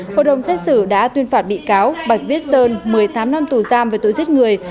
hội đồng xét xử đã tuyên phạt bị cáo bạch viết sơn một mươi tám năm tù giam về tội giết người